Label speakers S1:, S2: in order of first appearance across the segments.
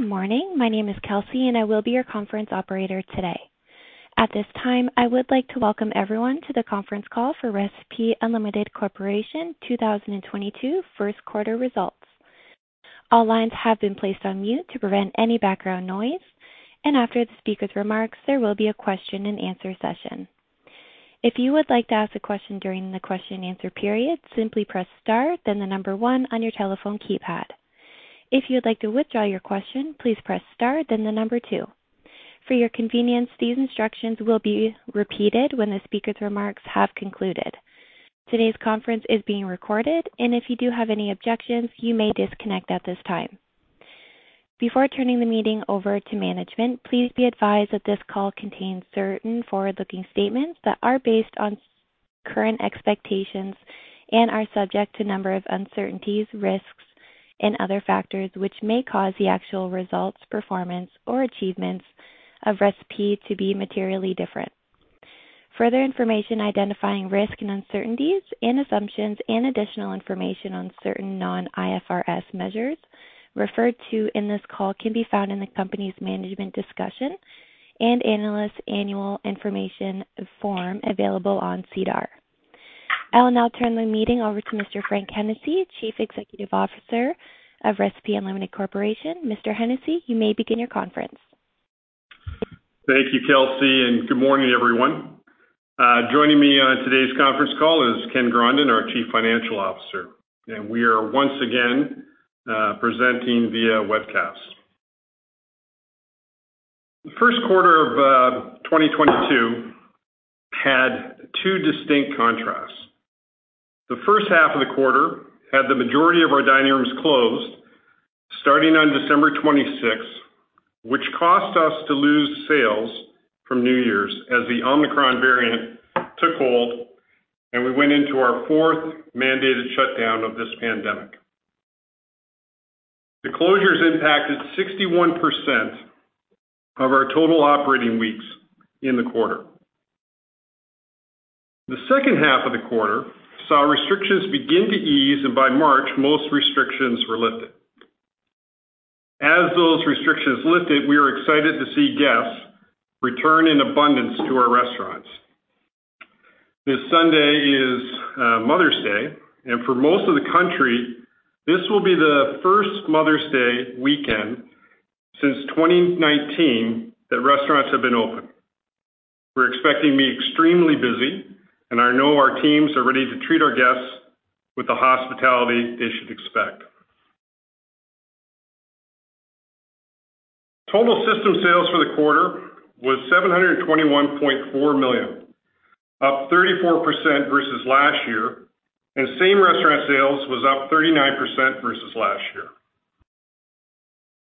S1: Good morning. My name is Kelsey and I will be your conference operator today. At this time, I would like to welcome everyone to the conference call for Recipe Unlimited Corporation 2022 first quarter results. All lines have been placed on mute to prevent any background noise, and after the speaker's remarks, there will be a question and answer session. If you would like to ask a question during the question and answer period, simply press star, then the number one on your telephone keypad. If you'd like to withdraw your question, please press star, then the number two. For your convenience, these instructions will be repeated when the speaker's remarks have concluded. Today's conference is being recorded, and if you do have any objections, you may disconnect at this time. Before turning the meeting over to management, please be advised that this call contains certain forward-looking statements that are based on current expectations and are subject to a number of uncertainties, risks, and other factors which may cause the actual results, performance, or achievements of Recipe to be materially different. Further information identifying risk and uncertainties and assumptions and additional information on certain non-IFRS measures referred to in this call can be found in the company's Management's Discussion and Analysis annual information form available on SEDAR. I will now turn the meeting over to Mr. Frank Hennessey, Chief Executive Officer of Recipe Unlimited Corporation. Mr. Hennessey, you may begin your conference.
S2: Thank you, Kelsey. Good morning, everyone. Joining me on today's conference call is Ken Grondin, our Chief Financial Officer. We are once again presenting via webcast. The first quarter of 2022 had two distinct contrasts. The first half of the quarter had the majority of our dining rooms closed starting on December 26th, which caused us to lose sales from New Year's as the Omicron variant took hold, and we went into our fourth mandated shutdown of this pandemic. The closures impacted 61% of our total operating weeks in the quarter. The second half of the quarter saw restrictions begin to ease, and by March, most restrictions were lifted. As those restrictions lifted, we were excited to see guests return in abundance to our restaurants. This Sunday is Mother's Day, and for most of the country, this will be the first Mother's Day weekend since 2019 that restaurants have been open. We're expecting to be extremely busy, and I know our teams are ready to treat our guests with the hospitality they should expect. Total system sales for the quarter was 721.4 million, up 34% versus last year, and same restaurant sales was up 39% versus last year.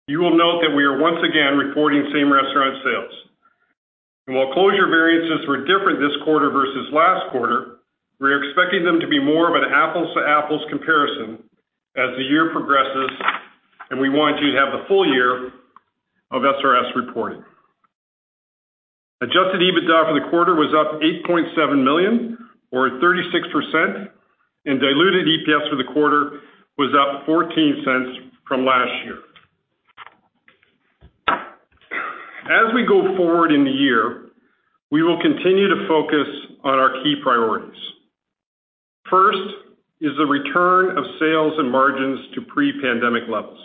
S2: You will note that we are once again reporting same-restaurant sales. While closure variances were different this quarter versus last quarter, we're expecting them to be more of an apples to apples comparison as the year progresses, and we want you to have the full year of SRS reporting. Adjusted EBITDA for the quarter was up 8.7 million or 36%, and diluted EPS for the quarter was up 0.14 from last year. As we go forward in the year, we will continue to focus on our key priorities. First is the return of sales and margins to pre-pandemic levels.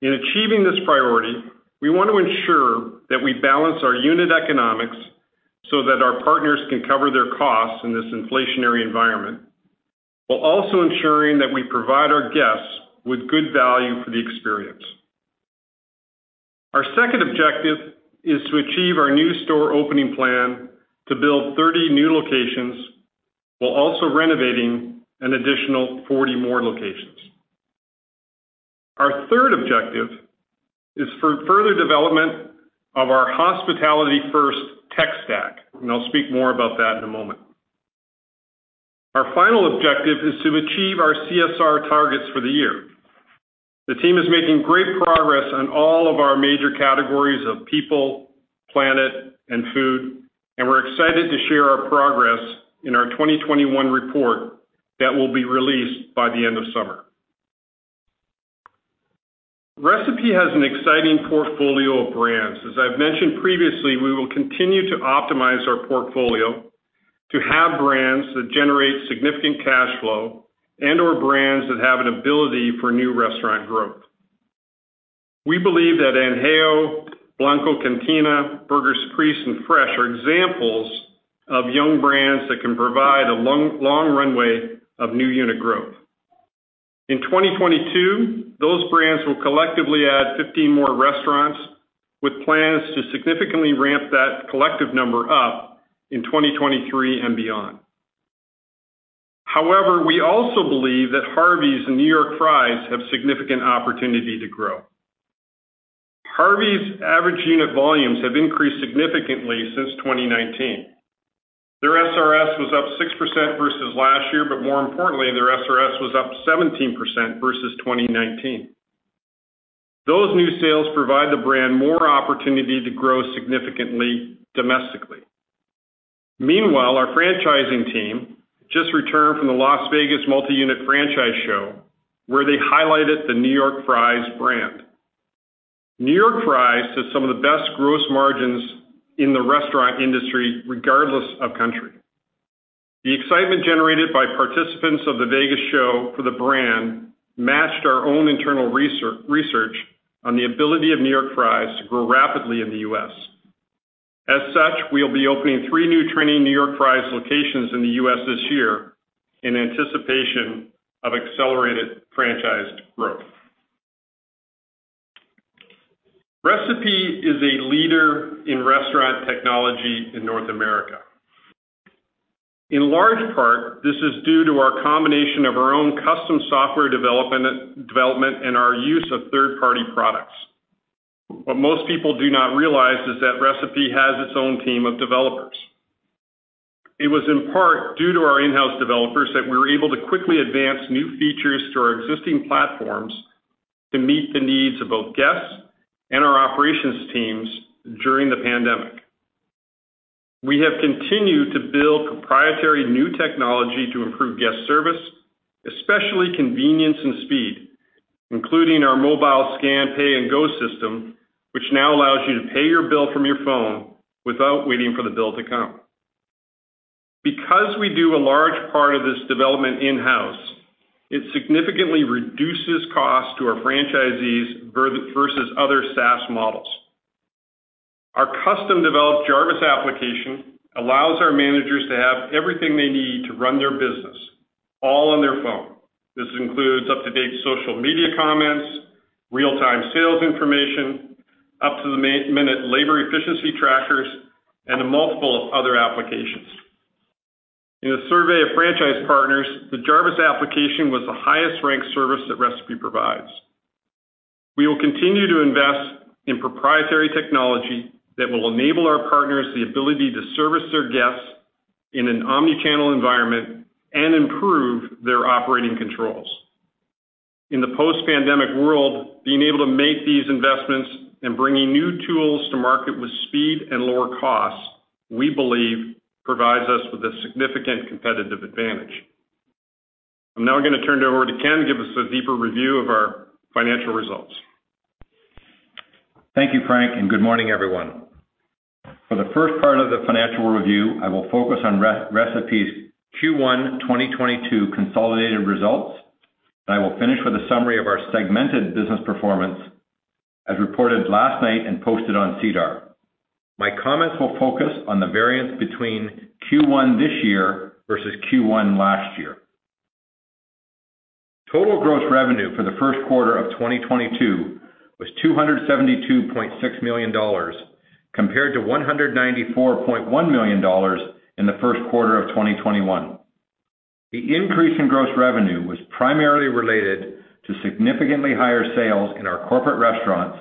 S2: In achieving this priority, we want to ensure that we balance our unit economics so that our partners can cover their costs in this inflationary environment, while also ensuring that we provide our guests with good value for the experience. Our second objective is to achieve our new store opening plan to build 30 new locations while also renovating an additional 40 more locations. Our third objective is for further development of our hospitality first tech stack, and I'll speak more about that in a moment. Our final objective is to achieve our CSR targets for the year. The team is making great progress on all of our major categories of people, planet, and food, and we're excited to share our progress in our 2022 report that will be released by the end of summer. Recipe has an exciting portfolio of brands. As I've mentioned previously, we will continue to optimize our portfolio to have brands that generate significant cash flow and/or brands that have an ability for new restaurant growth. We believe that Añejo, Blanco Cantina, The Burger's Priest, and Fresh are examples of young brands that can provide a long runway of new unit growth. In 2022, those brands will collectively add 15 more restaurants with plans to significantly ramp that collective number up in 2023 and beyond. However, we also believe that Harvey's and New York Fries have significant opportunity to grow. Harvey's average unit volumes have increased significantly since 2019. Their SRS was up 6% versus last year, but more importantly, their SRS was up 17% versus 2019. Those new sales provide the brand more opportunity to grow significantly domestically. Meanwhile, our franchising team just returned from the Las Vegas Multi-Unit Franchising Conference, where they highlighted the New York Fries brand. New York Fries has some of the best gross margins in the restaurant industry, regardless of country. The excitement generated by participants of the Vegas show for the brand matched our own internal research on the ability of New York Fries to grow rapidly in the U.S. As such, we'll be opening three new training New York Fries locations in the U.S. this year in anticipation of accelerated franchised growth. Recipe is a leader in restaurant technology in North America. In large part, this is due to our combination of our own custom software development and our use of third-party products. What most people do not realize is that Recipe has its own team of developers. It was in part due to our in-house developers that we were able to quickly advance new features to our existing platforms to meet the needs of both guests and our operations teams during the pandemic. We have continued to build proprietary new technology to improve guest service, especially convenience and speed, including our mobile scan, pay, and go system, which now allows you to pay your bill from your phone without waiting for the bill to come. Because we do a large part of this development in-house, it significantly reduces costs to our franchisees versus other SaaS models. Our custom-developed Jarvis application allows our managers to have everything they need to run their business, all on their phone. This includes up-to-date social media comments, real-time sales information, up-to-the-minute labor efficiency trackers, and a multiple of other applications. In a survey of franchise partners, the Jarvis application was the highest-ranked service that Recipe provides. We will continue to invest in proprietary technology that will enable our partners the ability to service their guests in an omni-channel environment and improve their operating controls. In the post-pandemic world, being able to make these investments and bringing new tools to market with speed and lower costs, we believe, provides us with a significant competitive advantage. I'm now going to turn it over to Ken to give us a deeper review of our financial results.
S3: Thank you, Frank, and good morning, everyone. For the first part of the financial review, I will focus on Recipe's Q1 2022 consolidated results, and I will finish with a summary of our segmented business performance as reported last night and posted on SEDAR. My comments will focus on the variance between Q1 this year versus Q1 last year. Total gross revenue for the first quarter of 2022 was 272.6 million dollars, compared to 194.1 million dollars in the first quarter of 2021. The increase in gross revenue was primarily related to significantly higher sales in our corporate restaurants,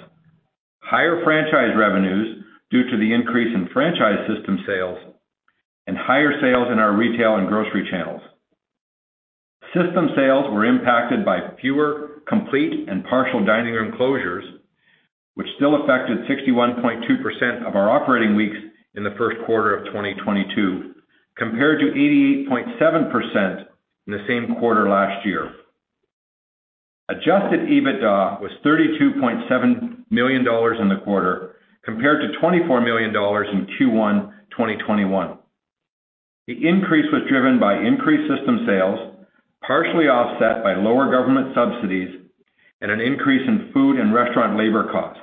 S3: higher franchise revenues due to the increase in franchise system sales, and higher sales in our retail and grocery channels. System sales were impacted by fewer complete and partial dining room closures, which still affected 61.2% of our operating weeks in the first quarter of 2022, compared to 88.7% in the same quarter last year. Adjusted EBITDA was 32.7 million dollars in the quarter, compared to 24 million dollars in Q1 2021. The increase was driven by increased system sales, partially offset by lower government subsidies and an increase in food and restaurant labor costs.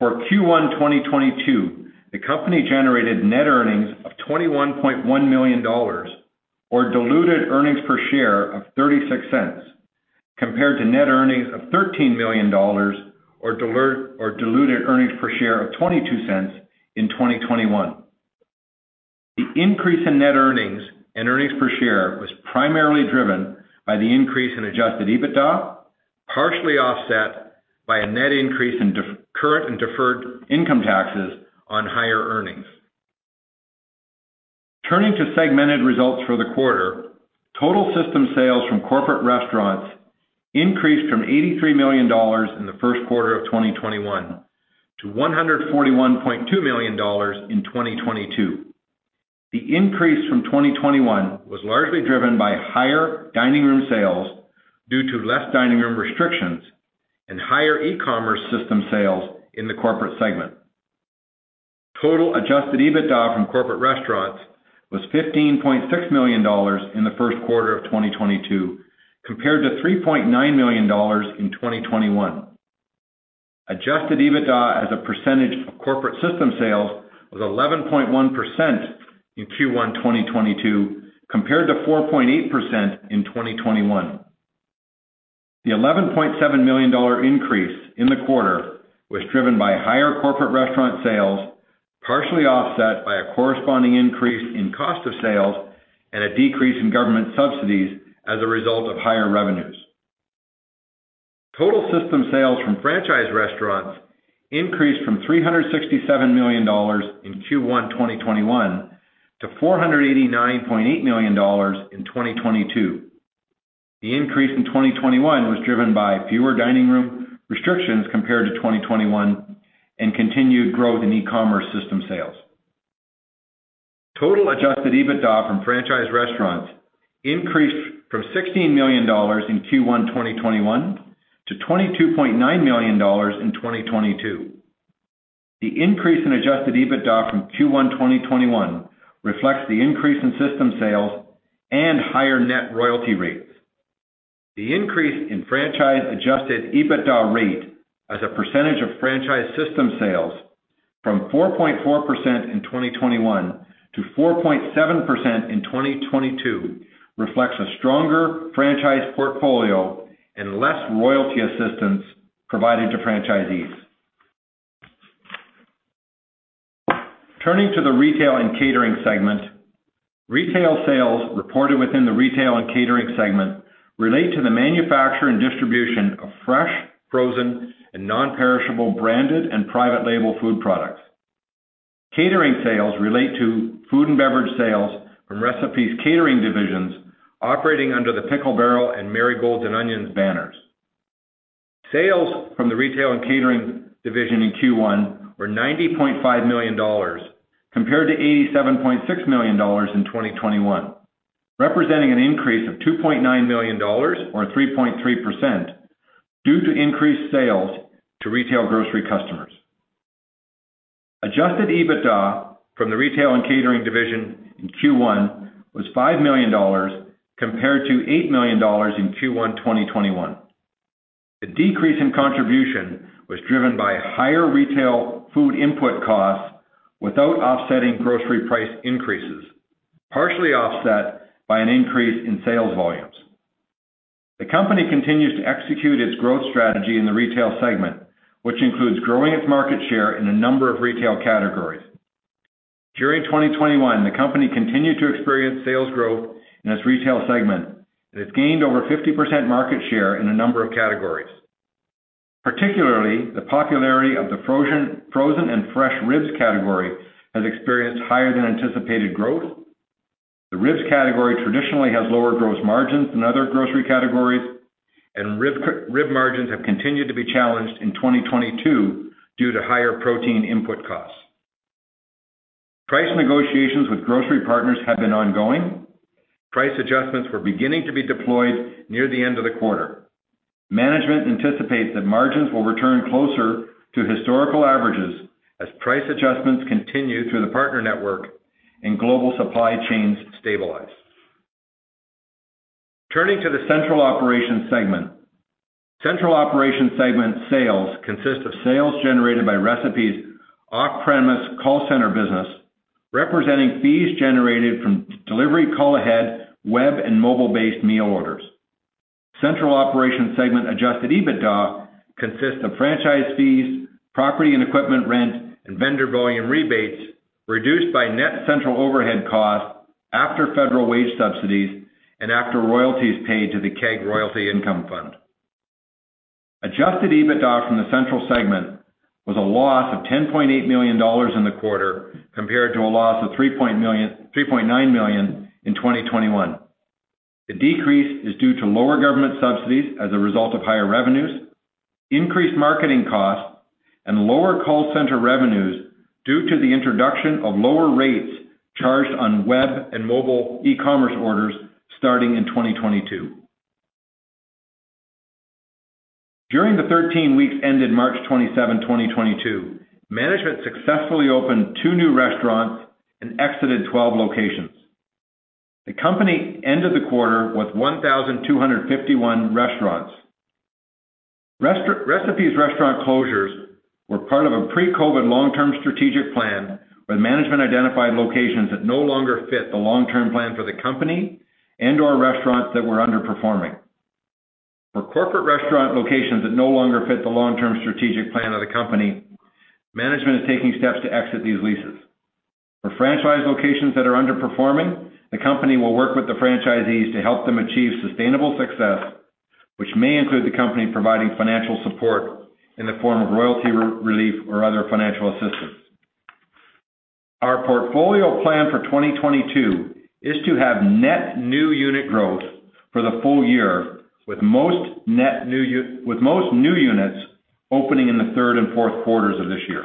S3: For Q1 2022, the company generated net earnings of 21.1 million dollars, or diluted earnings per share of 0.36, compared to net earnings of 13 million dollars, or diluted earnings per share of 0.22 in 2021. The increase in net earnings and earnings per share was primarily driven by the increase in adjusted EBITDA, partially offset by a net increase in current and deferred income taxes on higher earnings. Turning to segmented results for the quarter, total system sales from corporate restaurants increased from 83 million dollars in the first quarter of 2021 to 141.2 million dollars in 2022. The increase from 2021 was largely driven by higher dining room sales due to less dining room restrictions and higher e-commerce system sales in the corporate segment. Total adjusted EBITDA from corporate restaurants was 15.6 million dollars in the first quarter of 2022, compared to 3.9 million dollars in 2021. Adjusted EBITDA as a percentage of corporate system sales was 11.1% in Q1 2022, compared to 4.8% in 2021. The 11.7 million dollar increase in the quarter was driven by higher corporate restaurant sales, partially offset by a corresponding increase in cost of sales and a decrease in government subsidies as a result of higher revenues. Total system sales from franchise restaurants increased from 367 million dollars in Q1 2021 to 489.8 million dollars in 2022. The increase in 2021 was driven by fewer dining room restrictions compared to 2021 and continued growth in e-commerce system sales. Total adjusted EBITDA from franchise restaurants increased from 16 million dollars in Q1 2021 to 22.9 million dollars in 2022. The increase in adjusted EBITDA from Q1 2021 reflects the increase in system sales and higher net royalty rates. The increase in franchise adjusted EBITDA rate as a percentage of franchise system sales from 4.4% in 2021 to 4.7% in 2022 reflects a stronger franchise portfolio and less royalty assistance provided to franchisees. Turning to the retail and catering segment. Retail sales reported within the retail and catering segment relate to the manufacture and distribution of fresh, frozen, and non-perishable branded and private label food products. Catering sales relate to food and beverage sales from Recipe's catering divisions operating under the Pickle Barrel and Marigolds & Onions banners. Sales from the retail and catering division in Q1 were 90.5 million dollars, compared to 87.6 million dollars in 2021, representing an increase of 2.9 million dollars or 3.3%, due to increased sales to retail grocery customers. Adjusted EBITDA from the retail and catering division in Q1 was 5 million dollars, compared to 8 million dollars in Q1 2021. The decrease in contribution was driven by higher retail food input costs without offsetting grocery price increases, partially offset by an increase in sales volumes. The company continues to execute its growth strategy in the retail segment, which includes growing its market share in a number of retail categories. During 2021, the company continued to experience sales growth in its retail segment, and it's gained over 50% market share in a number of categories. Particularly, the popularity of the frozen and fresh ribs category has experienced higher than anticipated growth. The ribs category traditionally has lower gross margins than other grocery categories, and rib margins have continued to be challenged in 2022 due to higher protein input costs. Price negotiations with grocery partners have been ongoing. Price adjustments were beginning to be deployed near the end of the quarter. Management anticipates that margins will return closer to historical averages as price adjustments continue through the partner network and global supply chains stabilize. Turning to the central operations segment. Central operations segment sales consist of sales generated by Recipe's off-premise call center business, representing fees generated from delivery, call ahead, web, and mobile-based meal orders. Central operations segment Adjusted EBITDA consists of franchise fees, property and equipment rent, and vendor volume rebates, reduced by net central overhead costs after federal wage subsidies and after royalties paid to The Keg Royalties Income Fund. Adjusted EBITDA from the central segment was a loss of 10.8 million dollars in the quarter, compared to a loss of 3.9 million in 2021. The decrease is due to lower government subsidies as a result of higher revenues, increased marketing costs, and lower call center revenues due to the introduction of lower rates charged on web and mobile e-commerce orders starting in 2022. During the 13 weeks ended March 27, 2022, management successfully opened two new restaurants and exited 12 locations. The company ended the quarter with 1,251 restaurants. Recipe's restaurant closures were part of a pre-COVID-19 long-term strategic plan, where management identified locations that no longer fit the long-term plan for the company and/or restaurants that were underperforming. For corporate restaurant locations that no longer fit the long-term strategic plan of the company, management is taking steps to exit these leases. For franchise locations that are underperforming, the company will work with the franchisees to help them achieve sustainable success, which may include the company providing financial support in the form of royalty relief or other financial assistance. Our portfolio plan for 2022 is to have net new unit growth for the full year, with most new units opening in the third and fourth quarters of this year.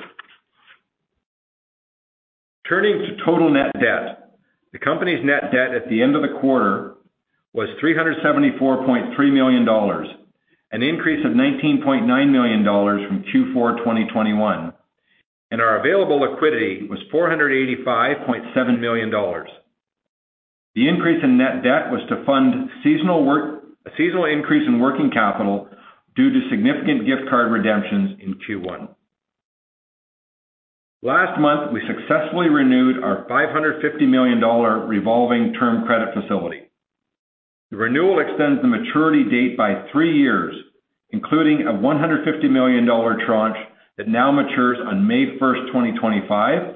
S3: Turning to total net debt. The company's net debt at the end of the quarter was 374.3 million dollars, an increase of 19.9 million dollars from Q4 2021, and our available liquidity was 485.7 million dollars. The increase in net debt was to fund a seasonal increase in working capital due to significant gift card redemptions in Q1. Last month, we successfully renewed our 550 million dollar revolving term credit facility. The renewal extends the maturity date by three years, including a 150 million dollar tranche that now matures on May 1st, 2025,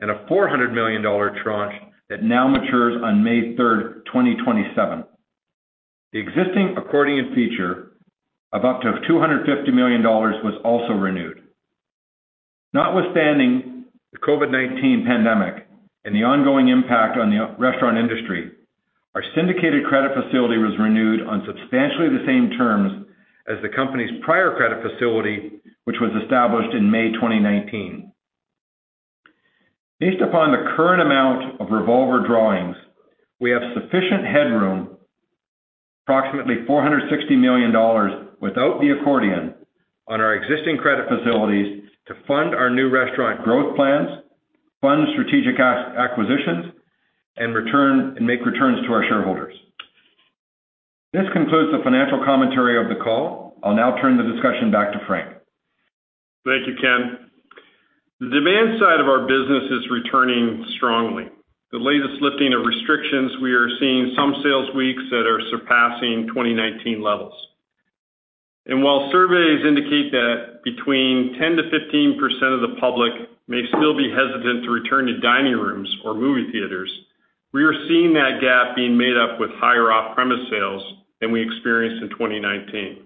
S3: and a 400 million dollar tranche that now matures on May 3rd, 2027. The existing accordion feature of up to 250 million dollars was also renewed. Notwithstanding the COVID-19 pandemic and the ongoing impact on the restaurant industry, our syndicated credit facility was renewed on substantially the same terms as the company's prior credit facility, which was established in May 2019. Based upon the current amount of revolver drawings, we have sufficient headroom, approximately 460 million dollars without the accordion, on our existing credit facilities to fund our new restaurant growth plans, fund strategic acquisitions, and make returns to our shareholders. This concludes the financial commentary of the call. I'll now turn the discussion back to Frank.
S2: Thank you, Ken. The demand side of our business is returning strongly. The latest lifting of restrictions, we are seeing some sales weeks that are surpassing 2019 levels. And while surveys indicate that between 10%-15% of the public may still be hesitant to return to dining rooms or movie theaters, we are seeing that gap being made up with higher off-premise sales than we experienced in 2019.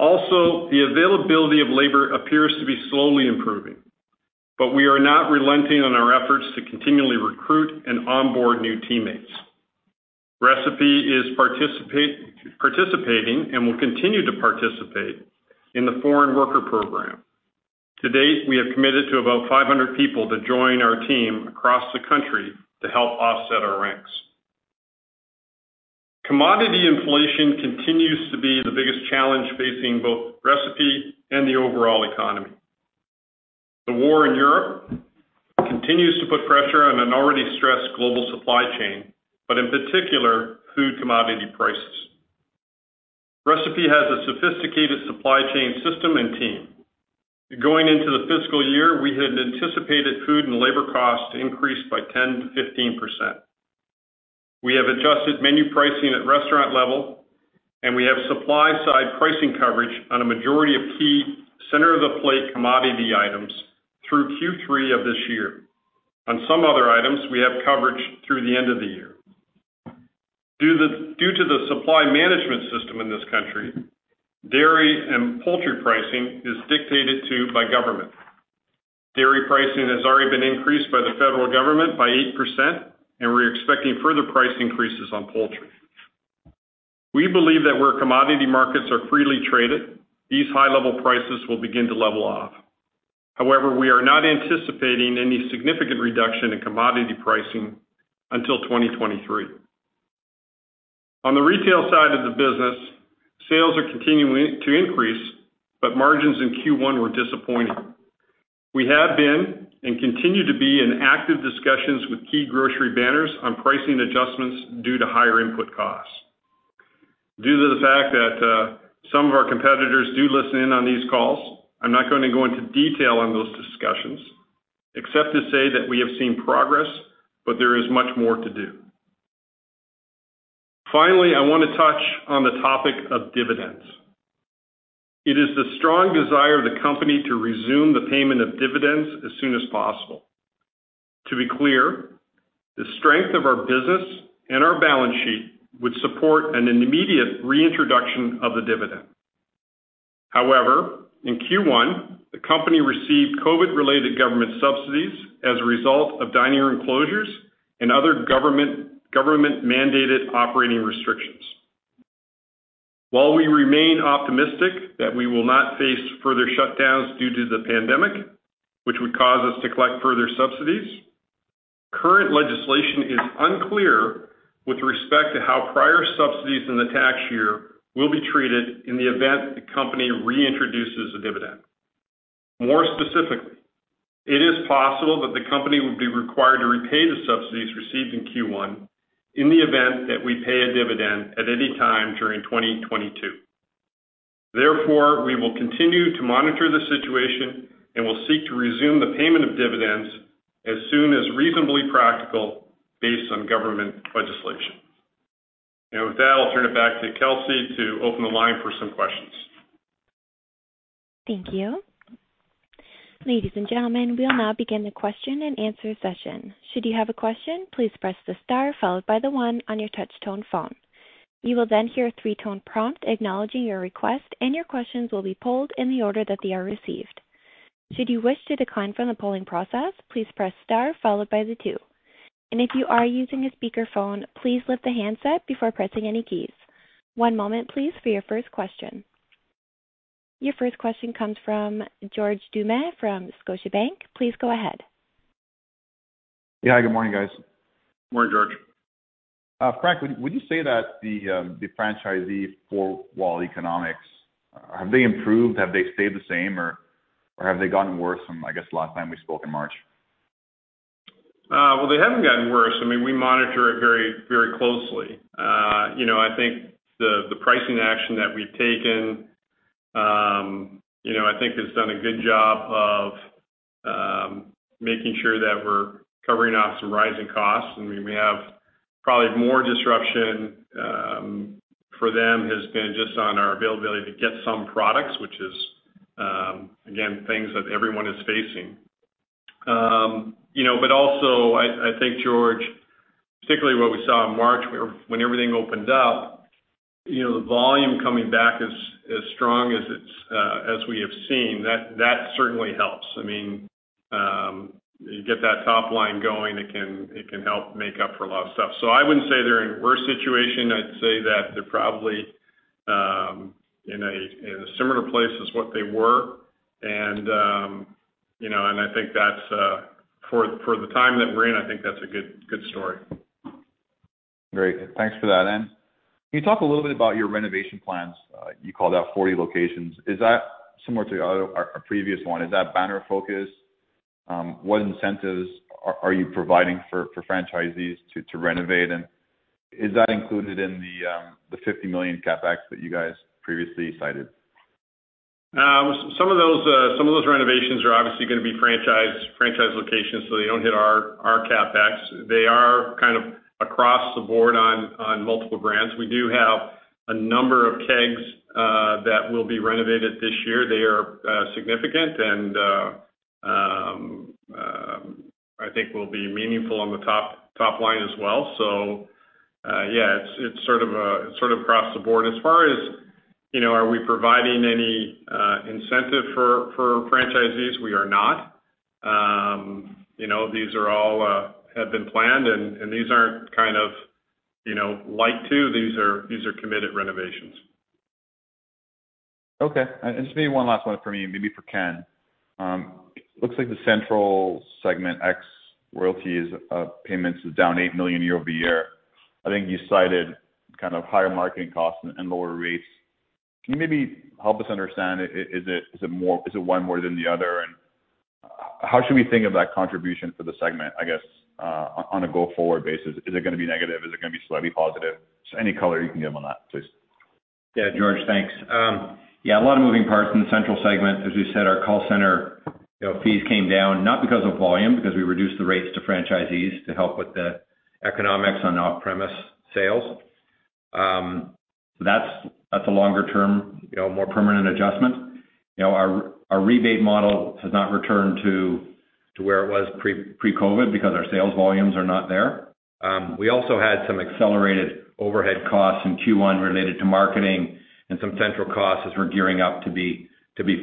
S2: Also, the availability of labor appears to be slowly improving, but we are not relenting on our efforts to continually recruit and onboard new teammates. Recipe is participating and will continue to participate in the Foreign Worker Program. To date, we have committed to about 500 people to join our team across the country to help offset our ranks. Commodity inflation continues to be the biggest challenge facing both Recipe and the overall economy. The war in Europe continues to put pressure on an already stressed global supply chain, but in particular, food commodity prices. Recipe has a sophisticated supply chain system and team. Going into the fiscal year, we had anticipated food and labor costs to increase by 10%-15%. We have adjusted menu pricing at restaurant level, and we have supply side pricing coverage on a majority of key center of the plate commodity items through Q3 of this year. On some other items, we have coverage through the end of the year. Due to the supply management system in this country, dairy and poultry pricing is dictated to by government. Dairy pricing has already been increased by the federal government by 8%, and we're expecting further price increases on poultry. We believe that where commodity markets are freely traded, these high-level prices will begin to level off. However, we are not anticipating any significant reduction in commodity pricing until 2023. On the retail side of the business, sales are continuing to increase, margins in Q1 were disappointing. We have been and continue to be in active discussions with key grocery banners on pricing adjustments due to higher input costs. Due to the fact that some of our competitors do listen in on these calls, I'm not going to go into detail on those discussions except to say that we have seen progress, but there is much more to do. Finally, I want to touch on the topic of dividends. It is the strong desire of the company to resume the payment of dividends as soon as possible. To be clear, the strength of our business and our balance sheet would support an immediate reintroduction of the dividend. However, in Q1, the company received COVID-19-related government subsidies as a result of dining room closures and other government-mandated operating restrictions. While we remain optimistic that we will not face further shutdowns due to the pandemic, which would cause us to collect further subsidies, current legislation is unclear with respect to how prior subsidies in the tax year will be treated in the event the company reintroduces a dividend. More specifically, it is possible that the company would be required to repay the subsidies received in Q1 in the event that we pay a dividend at any time during 2022. Therefore, we will continue to monitor the situation and will seek to resume the payment of dividends as soon as reasonably practical based on government legislation. With that, I'll turn it back to Kelsey to open the line for some questions.
S1: Thank you. Ladies and gentlemen, we'll now begin the question and answer session. Should you have a question, please press the star followed by the one on your touch tone phone. You will then hear a three-tone prompt acknowledging your request, and your questions will be polled in the order that they are received. Should you wish to decline from the polling process, please press star followed by the two. If you are using a speakerphone, please lift the handset before pressing any keys. One moment please for your first question. Your first question comes from George Doumet from Scotiabank. Please go ahead.
S4: Yeah. Good morning, guys.
S2: Good morning, George.
S4: Frank, would you say that the franchisee four wall economics, have they improved? Have they stayed the same or have they gotten worse from, I guess, last time we spoke in March?
S2: They haven't gotten worse. We monitor it very closely. I think the pricing action that we've taken has done a good job of making sure that we're covering off some rising costs, and we have probably more disruption for them has been just on our availability to get some products, which is, again, things that everyone is facing. But also, I think, George, particularly what we saw in March when everything opened up, the volume coming back as strong as we have seen, that certainly helps. You get that top line going, it can help make up for a lot of stuff. So, I wouldn't say they're in a worse situation. I'd say that they're probably in a similar place as what they were. I think for the time that we're in, I think that's a good story.
S4: Great. Thanks for that. Can you talk a little bit about your renovation plans? You called out 40 locations. Is that similar to our previous one? Is that banner focused? What incentives are you providing for franchisees to renovate, and is that included in the 50 million CapEx that you guys previously cited?
S2: Some of those renovations are obviously going to be franchise locations. They don't hit our CapEx. They are kind of across the board on multiple brands. We do have a number of Kegs that will be renovated this year. They are significant and I think will be meaningful on the top line as well. So yeah, it's sort of across the board. As far as, are we providing any incentive for franchisees? We are not. These all have been planned. These aren't light too, these are committed renovations.
S4: Okay. Just maybe one last one for me, maybe for Ken. Looks like the central segment ex royalties payments is down 8 million year-over-year. I think you cited higher marketing costs and lower rates. Can you maybe help us understand, is it one more than the other? How should we think of that contribution for the segment, I guess, on a go-forward basis? Is it going to be negative? Is it going to be slightly positive? Any color you can give on that, please.
S3: George, thanks. A lot of moving parts in the Central segment. As we said, our call center fees came down, not because of volume, because we reduced the rates to franchisees to help with the economics on off-premise sales. That's a longer term, more permanent adjustment. Our rebate model has not returned to where it was pre-COVID because our sales volumes are not there. We also had some accelerated overhead costs in Q1 related to marketing and some central costs as we're gearing up to be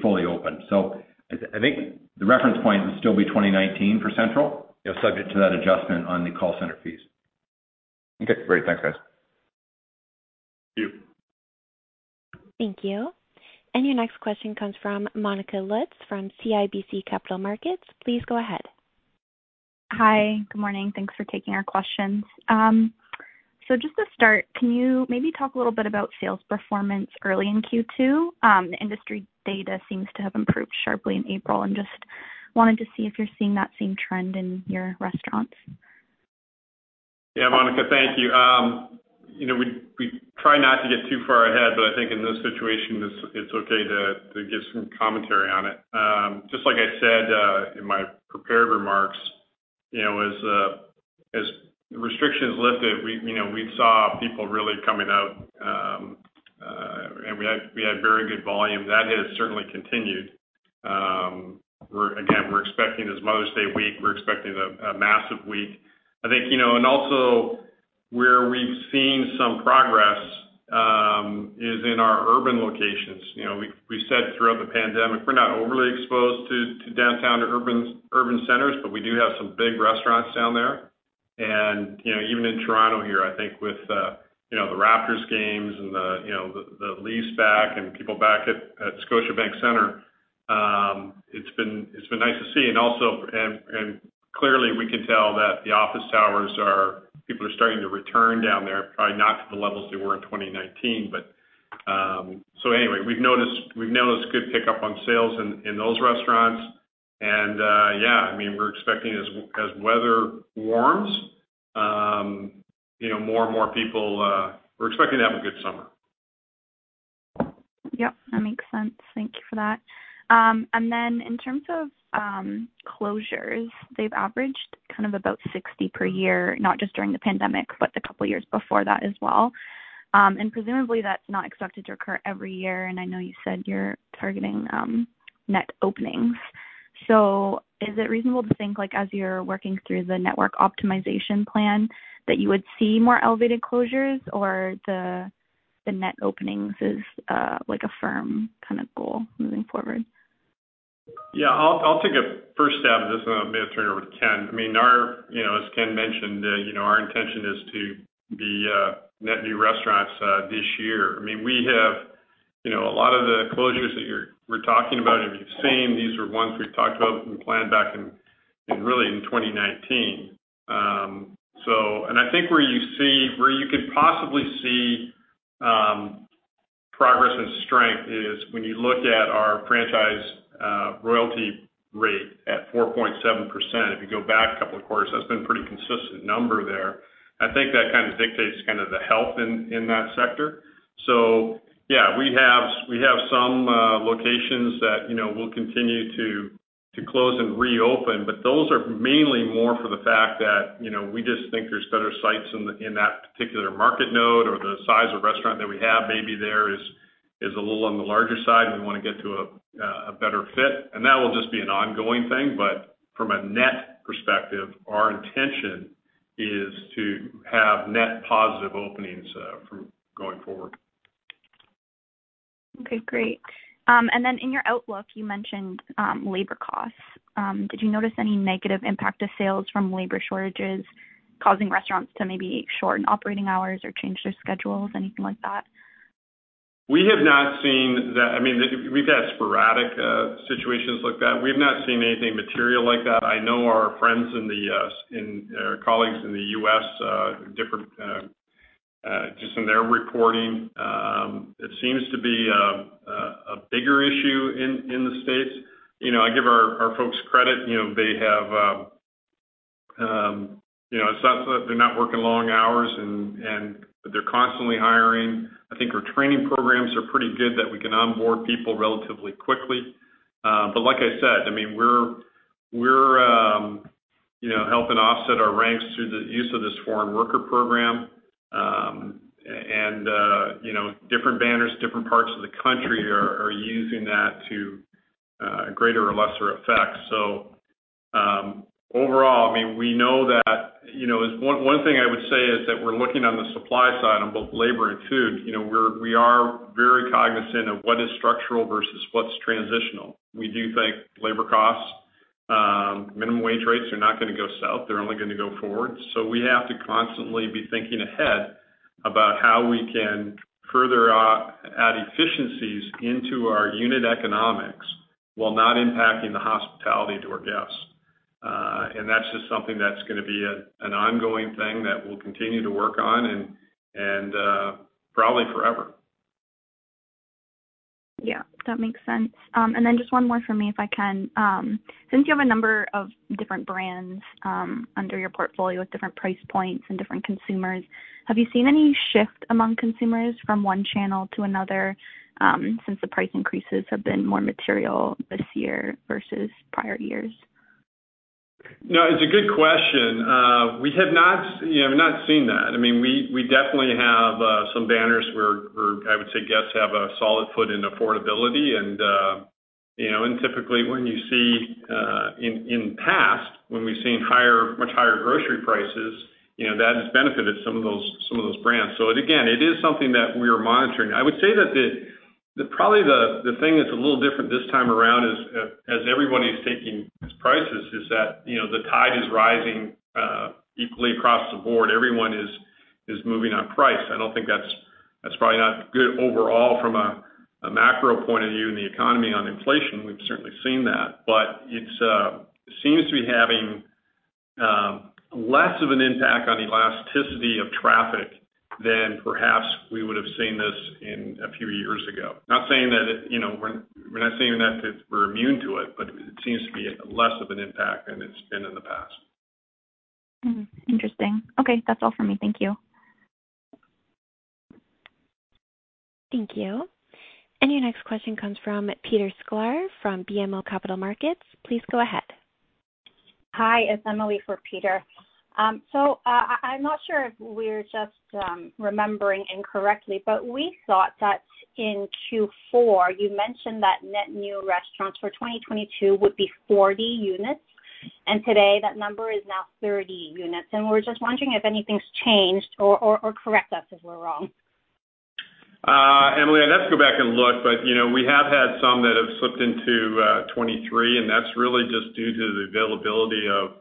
S3: fully open. So, I think the reference point will still be 2019 for Central, subject to that adjustment on the call center fees.
S4: Okay, great. Thanks, guys.
S2: Thank you.
S1: Thank you. Your next question comes from Monica Lutz from CIBC Capital Markets. Please go ahead.
S5: Hi. Good morning. Thanks for taking our questions. Just to start, can you maybe talk a little bit about sales performance early in Q2? Industry data seems to have improved sharply in April, just wanted to see if you're seeing that same trend in your restaurants.
S2: Yeah, Monica, thank you. We try not to get too far ahead, but I think in this situation, it's okay to give some commentary on it. Just like I said in my prepared remarks, as restrictions lifted, we saw people really coming out, and we had very good volume. That has certainly continued. Again, we're expecting this Mother's Day week, we're expecting a massive week. I think, and also where we've seen some progress is in our urban locations. We've said throughout the pandemic, we're not overly exposed to downtown or urban centers, but we do have some big restaurants down there. Even in Toronto here, I think with the Raptors games and the Leafs back and people back at Scotiabank Center, it's been nice to see. Clearly, we can tell that people are starting to return down there, probably not to the levels they were in 2019. But we've noticed good pickup on sales in those restaurants. We're expecting as weather warms, more and more people, we're expecting to have a good summer.
S5: Yep, that makes sense. Thank you for that. In terms of closures, they've averaged kind of about 60 per year, not just during the pandemic, but the couple of years before that as well. Presumably, that's not expected to occur every year, and I know you said you're targeting net openings. Is it reasonable to think as you're working through the network optimization plan that you would see more elevated closures, or the net openings is a firm kind of goal moving forward?
S2: Yeah, I'll take a first stab at this, and then I may turn it over to Ken. As Ken mentioned, our intention is to be net new restaurants this year. We have a lot of the closures that we're talking about, if you've seen, these are ones we've talked about and planned back in really in 2019. I think where you could possibly see progress and strength is when you look at our franchise royalty rate at 4.7%. If you go back a couple of quarters, that's been a pretty consistent number there. I think that kind of dictates kind of the health in that sector. Yeah, we have some locations that we'll continue to close and reopen, but those are mainly more for the fact that we just think there's better sites in that particular market node or the size of restaurant that we have maybe there is is a little on the larger side, and we want to get to a better fit. That will just be an ongoing thing, but from a net perspective, our intention is to have net positive openings going forward.
S5: Okay, great. In your outlook, you mentioned labor costs. Did you notice any negative impact to sales from labor shortages causing restaurants to maybe shorten operating hours or change their schedules? Anything like that?
S2: We've had sporadic situations like that. We've not seen anything material like that. I know our colleagues in the U.S., just in their reporting, it seems to be a bigger issue in the U.S. I give our folks credit. It's not that they're not working long hours, but they're constantly hiring. I think our training programs are pretty good that we can onboard people relatively quickly. But like I said, we're helping offset our ranks through the use of this Temporary Foreign Worker Program. Different banners, different parts of the country are using that to greater or lesser effect. Overall, one thing I would say is that we're looking on the supply side on both labor and food. We are very cognizant of what is structural versus what's transitional. We do think labor costs, minimum wage rates are not going to go south. They're only going to go forward. So, we have to constantly be thinking ahead about how we can further add efficiencies into our unit economics while not impacting the hospitality to our guests. That's just something that's going to be an ongoing thing that we'll continue to work on and probably forever.
S5: Yeah, that makes sense. Then just one more from me, if I can. Since you have a number of different brands under your portfolio with different price points and different consumers, have you seen any shift among consumers from one channel to another, since the price increases have been more material this year versus prior years?
S2: No, it's a good question. We have not seen that. We definitely have some banners where I would say guests have a solid foot in affordability and typically when you see, in past, when we've seen much higher grocery prices, that has benefited some of those brands. Again, it is something that we are monitoring. I would say that probably the thing that's a little different this time around is, as everybody's taking these prices, is that the tide is rising equally across the board. Everyone is moving on price. That's probably not good overall from a macro point of view in the economy on inflation, we've certainly seen that, but it seems to be having less of an impact on elasticity of traffic than perhaps we would have seen this a few years ago. We're not saying that we're immune to it, but it seems to be less of an impact than it's been in the past.
S5: Interesting. Okay. That's all for me. Thank you.
S1: Thank you. Your next question comes from Peter Sklar from BMO Capital Markets. Please go ahead.
S6: Hi, it's Emily for Peter. I'm not sure if we're just remembering incorrectly, but we thought that in Q4, you mentioned that net new restaurants for 2022 would be 40 units, and today that number is now 30 units. We're just wondering if anything's changed or correct us if we're wrong.
S2: Emily, I'd have to go back and look, but we have had some that have slipped into 2023, and that's really just due to the availability of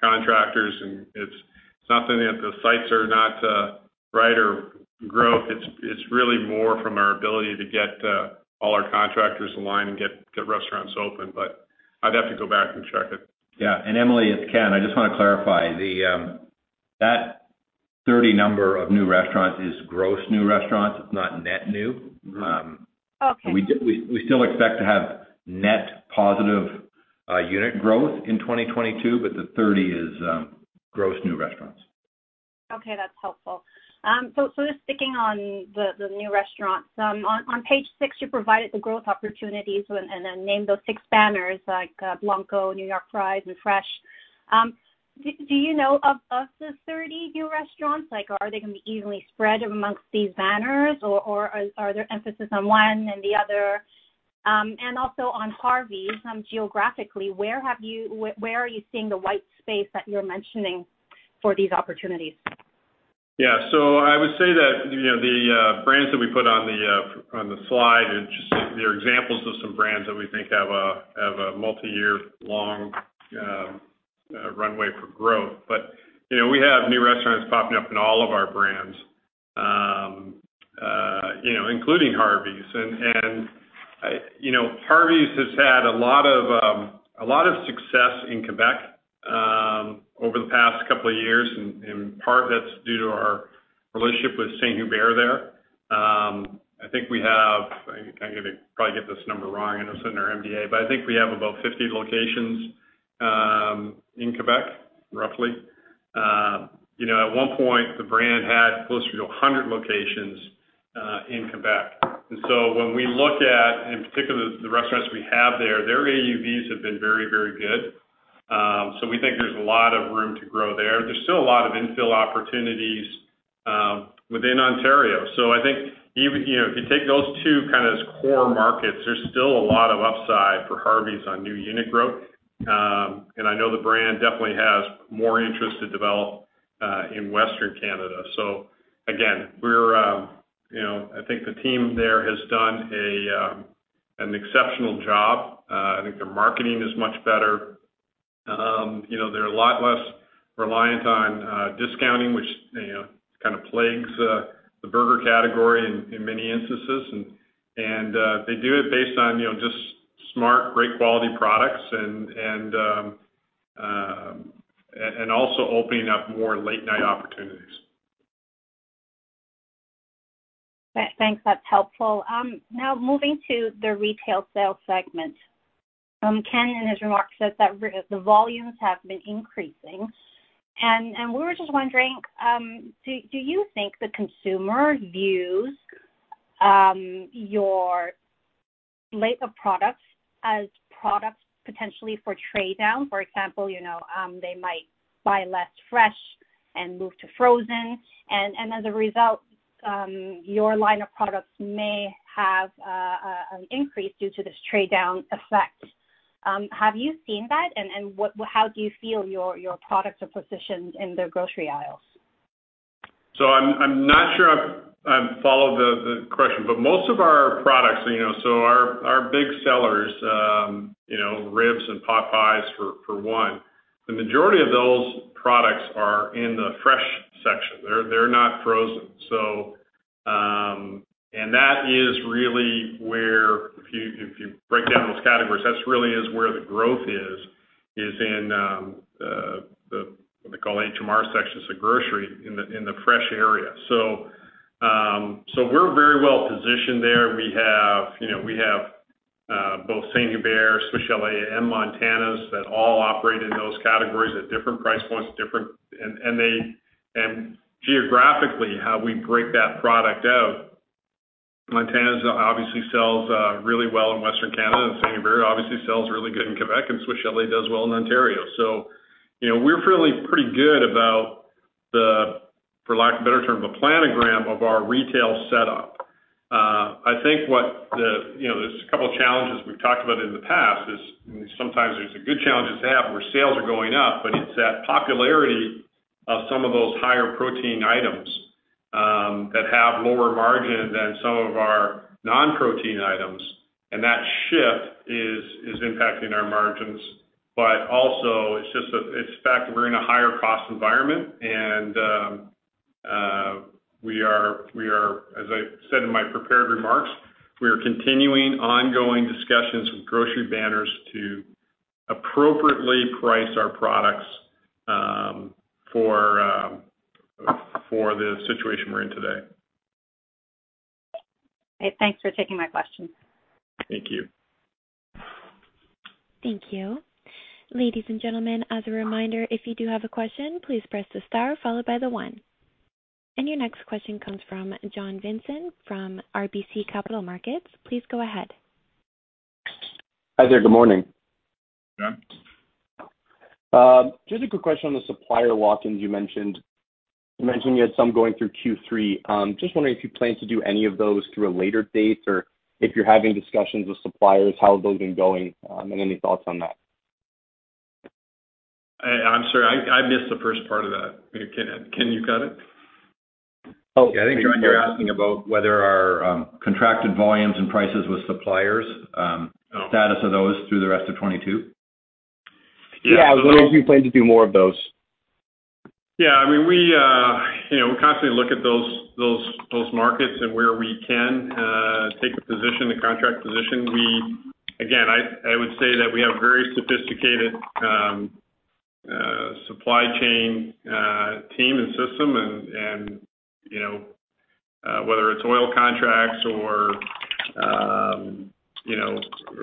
S2: contractors and it's not something that the sites are not right or growth. It's really more from our ability to get all our contractors aligned and get restaurants open. I'd have to go back and check it.
S3: Emily, it's Ken, I just want to clarify. That 30 number of new restaurants is gross new restaurants. It's not net new.
S6: Okay.
S3: We still expect to have net positive unit growth in 2022, but the 30 is gross new restaurants.
S6: Okay, that's helpful. Just sticking on the new restaurants. On page six, you provided the growth opportunities and then named those six banners like Blanco, New York Fries, and Fresh. Do you know of the 30 new restaurants? Like are they going to be evenly spread amongst these banners or are there emphasis on one than the other? Also on Harvey's, geographically, where are you seeing the white space that you're mentioning for these opportunities?
S2: Yeah, I would say that the brands that we put on the slide are just some examples of some brands that we think have a multiyear-long runway for growth. We have new restaurants popping up in all of our brands, including Harvey's. Harvey's has had a lot of success in Quebec over the past couple of years, and in part that's due to our relationship with St. Hubert there. I'm going to probably get this number wrong and I'll send our MD&A. I think we have about 50 locations in Quebec, roughly. At one point, the brand had closer to 100 locations in Quebec. When we look at, in particular, the restaurants we have there, their AUVs have been very, very good. We think there's a lot of room to grow there. There's still a lot of infill opportunities within Ontario. I think if you take those two kind of as core markets, there's still a lot of upside for Harvey's on new unit growth. I know the brand definitely has more interest to develop in Western Canada. So again, I think the team there has done an exceptional job. I think their marketing is much better. They're a lot less reliant on discounting, which kind of plagues the burger category in many instances. They do it based on just smart, great quality products, and also opening up more late-night opportunities.
S6: Thanks. That's helpful. Now moving to the retail sale segment. Ken, in his remarks, said that the volumes have been increasing, and we were just wondering, do you think the consumer views your lineup products as products potentially for trade down? For example, they might buy less fresh and move to frozen, and as a result, your line of products may have an increase due to this trade down effect. Have you seen that, and how do you feel your products are positioned in the grocery aisles?
S2: I'm not sure I follow the question, but most of our products, so our big sellers, ribs and pot pies for one, the majority of those products are in the fresh section. They're not frozen. So, that is really where, if you break down those categories, that really is where the growth is in what they call HMR sections of grocery, in the fresh area. We're very well positioned there. We have both St. Hubert, Swiss Chalet, and Montana's that all operate in those categories at different price points. Geographically, how we break that product out, Montana's obviously sells really well in Western Canada, and St-Hubert obviously sells really good in Quebec, and Swiss Chalet does well in Ontario. We're feeling pretty good about the, for lack of a better term, the planogram of our retail setup. I think there's a couple challenges we've talked about in the past is sometimes there's the good challenges to have where sales are going up, but it's that popularity of some of those higher protein items that have lower margin than some of our non-protein items, and that shift is impacting our margins. But also, it's just the fact that we're in a higher cost environment, and as I said in my prepared remarks, we are continuing ongoing discussions with grocery banners to appropriately price our products for the situation we're in today.
S6: Okay. Thanks for taking my question.
S2: Thank you.
S1: Thank you. Ladies and gentlemen, as a reminder, if you do have a question, please press the star followed by the one. Your next question comes from John Vincent from RBC Capital Markets. Please go ahead.
S7: Hi there. Good morning.
S2: John.
S7: Just a quick question on the supplier lock-ins you mentioned. You mentioned you had some going through Q3. Just wondering if you plan to do any of those through a later date, or if you're having discussions with suppliers, how have those been going, and any thoughts on that?
S2: I'm sorry, I missed the first part of that. Can you cut it?
S3: Oh, yeah, I think, John, you're asking about whether our contracted volumes and prices with suppliers, status of those through the rest of 2022?
S7: Yeah. I was wondering if you plan to do more of those.
S2: Yeah. We constantly look at those markets and where we can take a position, a contract position. Again, I would say that we have very sophisticated supply chain team and system, and whether it's oil contracts or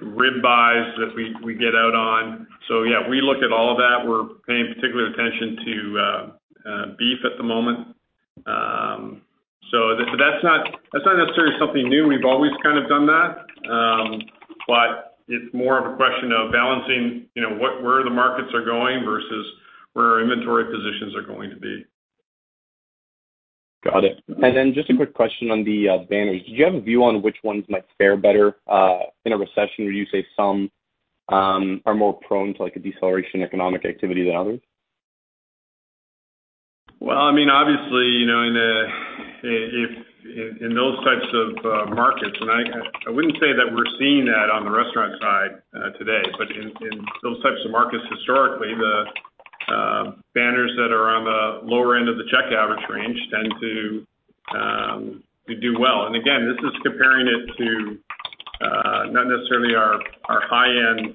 S2: rib buys that we get out on. Yeah, we look at all of that. We're paying particular attention to beef at the moment. That's not necessarily something new. We've always kind of done that. But it's more of a question of balancing where the markets are going versus where our inventory positions are going to be.
S7: Got it. Just a quick question on the banners, do you have a view on which ones might fare better in a recession? Would you say some are more prone to a deceleration economic activity than others?
S2: Obviously, in those types of markets, and I wouldn't say that we're seeing that on the restaurant side today, but in those types of markets, historically, the banners that are on the lower end of the check average range tend to do well. Again, this is comparing it to not necessarily our higher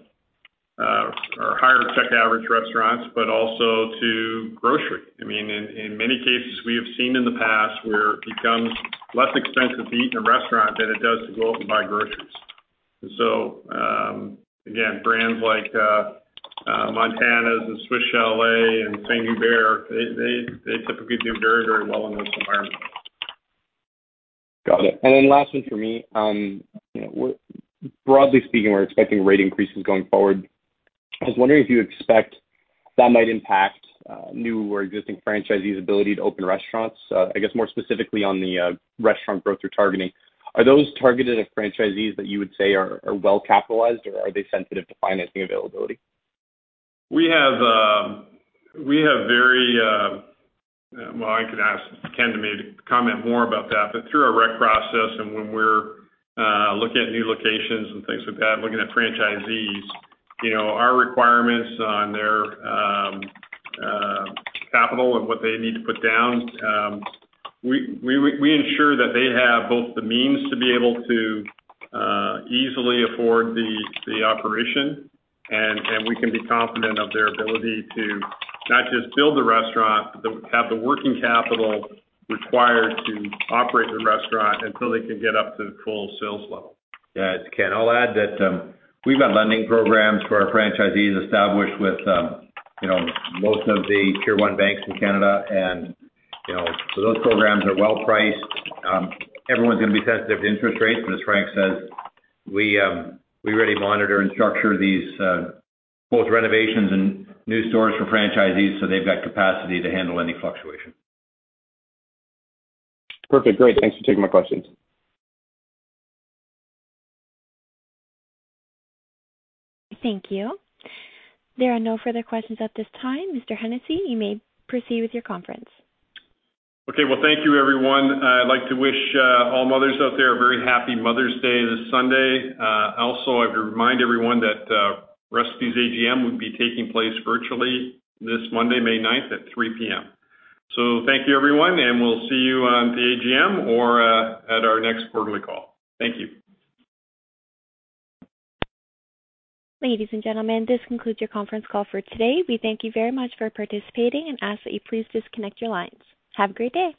S2: check average restaurants, but also to grocery. In many cases, we have seen in the past where it becomes less expensive to eat in a restaurant than it does to go out and buy groceries. So gain, brands like Montana's and Swiss Chalet and St-Hubert, they typically do very, very well in this environment.
S7: Got it. Last one for me. Broadly speaking, we're expecting rate increases going forward. I was wondering if you expect that might impact new or existing franchisees' ability to open restaurants. I guess more specifically on the restaurant growth you're targeting, are those targeted at franchisees that you would say are well-capitalized, or are they sensitive to financing availability?
S2: Well, I could ask Ken to maybe comment more about that, but through our rec process and when we're looking at new locations and things like that, looking at franchisees, our requirements on their capital and what they need to put down, we ensure that they have both the means to be able to easily afford the operation, and we can be confident of their ability to not just build the restaurant, but have the working capital required to operate the restaurant until they can get up to full sales level.
S3: It's Ken. I'll add that we've got lending programs for our franchisees established with most of the Tier 1 banks in Canada. Those programs are well priced. Everyone's going to be sensitive to interest rates, but as Frank says, we already monitor and structure these both renovations and new stores for franchisees, so they've got capacity to handle any fluctuation.
S7: Perfect. Great. Thanks for taking my questions.
S1: Thank you. There are no further questions at this time. Mr. Hennessey, you may proceed with your conference.
S2: Okay. Well, thank you everyone. I'd like to wish all mothers out there a very Happy Mother's Day this Sunday. Also, I have to remind everyone that Recipe's AGM will be taking place virtually this Monday, May 9th at 3:00 P.M. Thank you, everyone, and we'll see you at the AGM or at our next quarterly call. Thank you.
S1: Ladies and gentlemen, this concludes your conference call for today. We thank you very much for participating and ask that you please disconnect your lines. Have a great day.